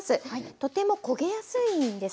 とても焦げやすいんです。